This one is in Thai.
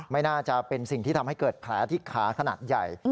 ไม่น่าจะเป็นสิ่งที่ทำให้เกิดแผลที่ขาขนาดใหญ่